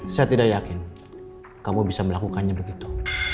saya tidak yakin kamu bisa melakukannya begitu